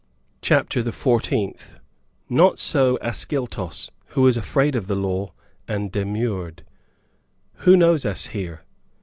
CHAPTER THE FOURTEENTH. Not so Ascyltos, who was afraid of the law, and demurred, "Who knows us here?